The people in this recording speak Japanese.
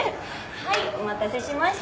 はいお待たせしました。